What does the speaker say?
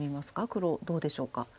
黒どうでしょうか真ん中。